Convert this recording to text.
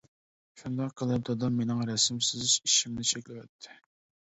شۇنداق قىلىپ، دادام مېنىڭ رەسىم سىزىش ئىشىمنى چەكلىۋەتتى.